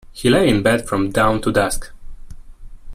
He lay in bed from dawn to dusk.